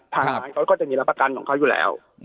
ทางร้านเขาก็จะมีรับประกันของเขาอยู่แล้ว